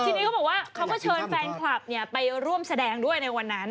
ทีนี้เขาบอกว่าเขาก็เชิญแฟนคลับไปร่วมแสดงด้วยในวันนั้น